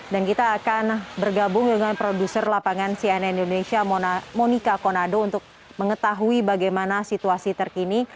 dan kita akan bergabung dengan produser lapangan cna indonesia monika konado untuk mengetahui bagaimana situasi terkini